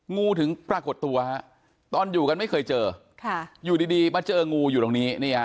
งูถึงปรากฏตัวตอนอยู่กันไม่เคยเจออยู่ดีมาเจองูอยู่ตรงนี้